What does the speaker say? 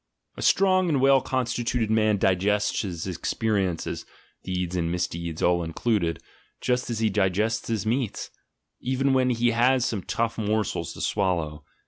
A strong and well consti tuted man digests his experiences (deeds and misdeeds all included) just as he digests his meats, even when he has some tough morsels to swallow.